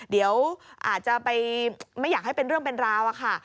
เดี๋ยวอาจจะไปไม่อยากให้เป็นเรื่องเป็นราวอะค่ะ